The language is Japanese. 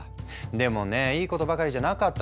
でもねいいことばかりじゃなかったの。